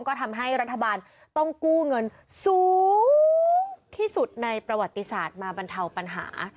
ก็ทำให้รัฐบาลต้องกู้เงินสูงที่สุดในประวัติศาสตร์มาบรรเทาปัญหา